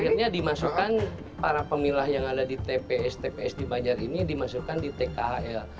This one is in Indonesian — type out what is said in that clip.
akhirnya dimasukkan para pemilah yang ada di tps tps di banjar ini dimasukkan di tkhl